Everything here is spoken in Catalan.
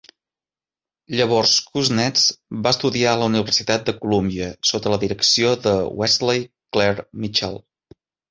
Llavors Kuznets va estudiar a la Universitat de Columbia sota la direcció de Wesley Clair Mitchell.